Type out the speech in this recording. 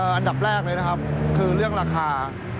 อันดับแรกเลยนะครับคือเรื่องราคา